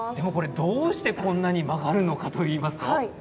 どうしてこんなに曲がるのかといいますと。